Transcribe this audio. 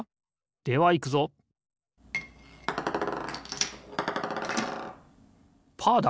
ではいくぞパーだ！